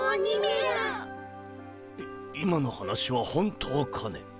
い今の話は本当かね？